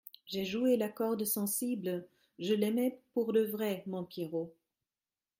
J’ai joué la corde sensible. Je l’aimais pour de vrai, mon Pierrot !